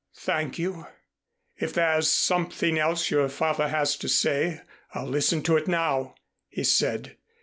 "Thank you. If there's something else your father has to say, I'll listen to it now," he said.